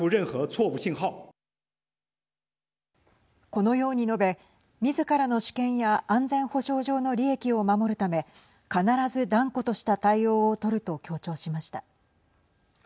このように述べみずからの主権や安全保障上の利益を守るため必ず断固とした対応をとると強調しました。